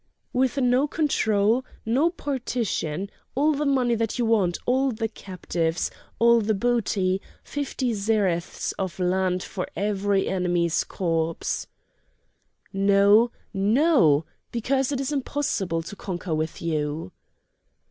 "With no control, no partition, all the money that you want, all the captives, all the booty, fifty zereths of land for every enemy's corpse." "No! no! because it is impossible to conquer with you!"